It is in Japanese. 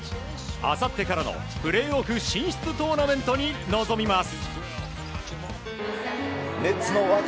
明後日からのプレーオフ進出トーナメントに臨みます。